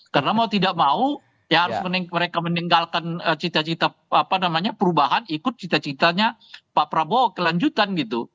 karena mau tidak mau ya harus mereka meninggalkan cita cita perubahan ikut cita citanya pak prabowo kelanjutan gitu